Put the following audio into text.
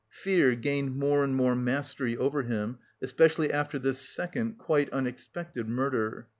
Fear gained more and more mastery over him, especially after this second, quite unexpected murder.